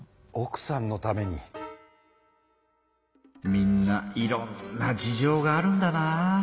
みんないろんな事情があるんだな。